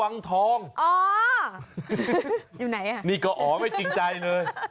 นี่ก็อ๋อไม่จริงใจเลย